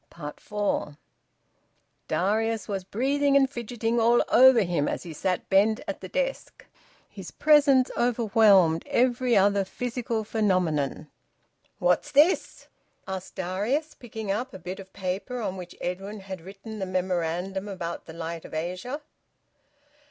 FOUR. Darius was breathing and fidgeting all over him as he sat bent at the desk. His presence overwhelmed every other physical phenomenon. "What's this?" asked Darius, picking up the bit of paper on which Edwin had written the memorandum about "The Light of Asia."